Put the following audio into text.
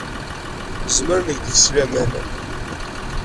Nezmer ad neg deg-s laman.